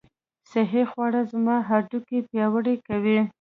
صحي خواړه زما هډوکي پیاوړي کوي.